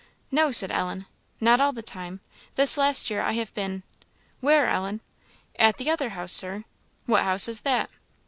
"No," said Ellen, "not all the time; this last year I have been" "Where, Ellen?" "At the other house, Sir." "What house is that?"